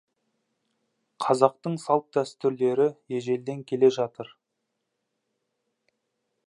Қазақтың салт-дәстүрлері ежелден келе жатыр.